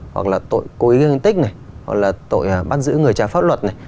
hoặc là tội cố ý gây thương tích này hoặc là tội bắt giữ người trái pháp luật này